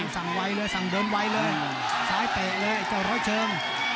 ซ้ายเตะซ้ายเตะร้อยเชิง